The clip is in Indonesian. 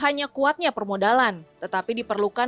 namun tak cukup hanya kuatnya permodalan tetapi diperlukan kekuatan